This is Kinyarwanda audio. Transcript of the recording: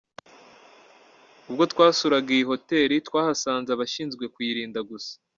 Ubwo twasuraga iyi hotel twahasanze abashinzwe kuyirinda gusa.